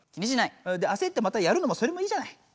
それであせってまたやるのもそれもいいじゃない。